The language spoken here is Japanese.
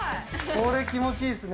これ、気持ちいいですね。